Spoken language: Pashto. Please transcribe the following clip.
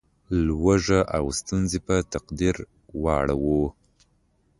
لوږه او ستونزې په تقدیر وراړوو.